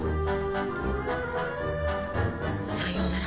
さようなら。